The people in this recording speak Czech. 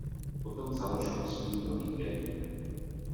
Potom založil svůj nový gang.